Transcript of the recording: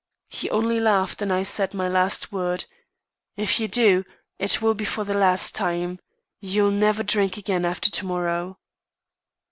He only laughed, and I said my last word: 'If you do, it will be for the last time. You'll never drink again after to morrow.